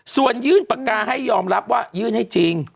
ส่วนยื่นปากกาให้ยอมรับว่ายื่นให้จริง